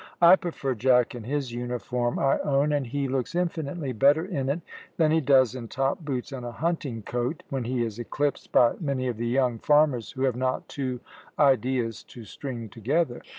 I prefer Jack in his uniform, I own, and he looks infinitely better in it than he does in top boots and a hunting coat, when he is eclipsed by many of the young farmers who have not two ideas to string together."